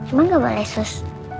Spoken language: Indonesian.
emang enggak boleh sus